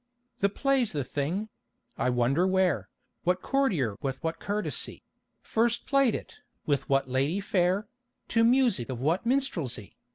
The play's the thing; I wonder where, What courtier with what courtesy First played it, with what lady fair, To music of what minstrelsy?